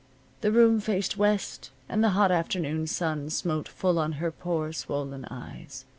The room faced west, and the hot afternoon sun smote full on her poor swollen eyes.